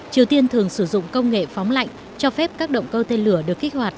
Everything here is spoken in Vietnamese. triều tiên thường sử dụng công nghệ phóng lạnh cho phép các động cơ tên lửa được kích hoạt